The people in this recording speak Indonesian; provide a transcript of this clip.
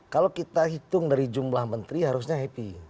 kalau kita hitung dari jumlah menteri harusnya happy